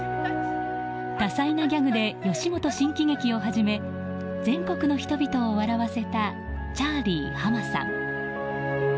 多彩なギャグで吉本新喜劇をはじめ全国の人々を笑わせたチャーリー浜さん。